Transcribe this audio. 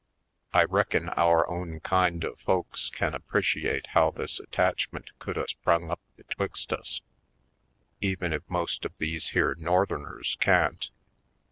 I recicon our own kind of folks can appreciate how this attachment could Last JVords 265 a sprung up betwixt us, even if most of these here Northerners can't.